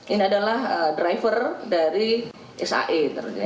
ini adalah driver dari sae